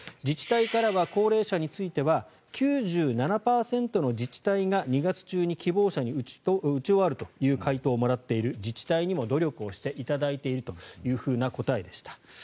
自治体からは高齢者については９７％の自治体が２月中に希望者に打ち終わるという回答をもらっている自治体にも努力していただいているという答えでした。